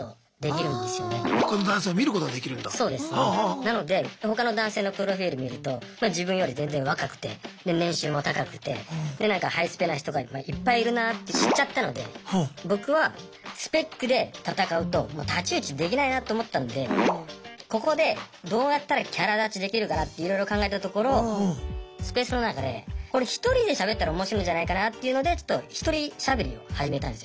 なので他の男性のプロフィール見ると自分より全然若くてで年収も高くてで何かハイスペな人がいっぱいいるなって知っちゃったので僕はスペックで戦うと太刀打ちできないなと思ったんでここでどうやったらキャラ立ちできるかなっていろいろ考えたところスペースの中でこれ１人でしゃべったらおもしろいんじゃないかなというのでちょっと「１人しゃべり」を始めたんですよ。